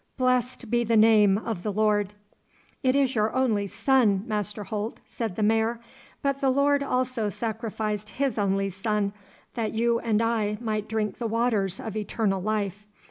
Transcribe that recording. Blessed be the name of the Lord.' 'It is your only son, Master Holt,' said the Mayor, 'but the Lord also sacrificed His only Son that you and I might drink the waters of eternal life.